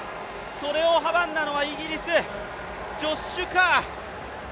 それを阻んだのはイギリス、ジョッシュ・カー。